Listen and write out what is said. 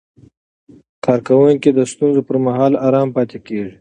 کارکوونکي د ستونزو پر مهال آرام پاتې کېږي.